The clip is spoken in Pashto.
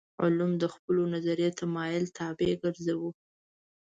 علوم د خپلو نظري تمایل طابع ګرځوو.